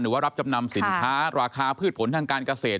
ว่ารับจำนำสินค้าราคาพืชผลทางการเกษตร